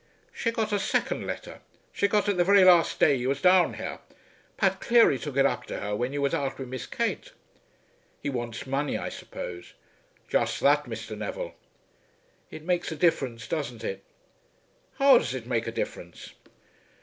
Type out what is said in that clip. "She got a second letter. She got it the very last day you was down here. Pat Cleary took it up to her when you was out wid Miss Kate." "He wants money, I suppose." "Just that, Mr. Neville." "It makes a difference; doesn't it?" "How does it make a difference?"